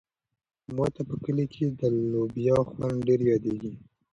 ما ته په کلي کې د لوبیا خوند ډېر یادېږي.